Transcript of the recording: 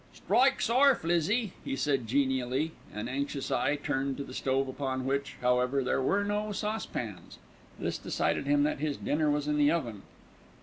"Strike's orf, Lizzie," he said genially, an anxious eye turned to the stove upon which, however, there were no saucepans. This decided him that his dinner was in the oven.